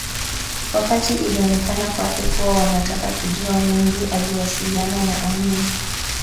Wakati ilionekana kwake kuwa wanataka kujua mengi aliwasiliana na Amin